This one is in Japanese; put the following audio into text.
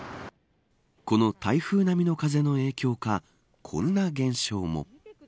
この台風並みの風の影響かこんな現象も。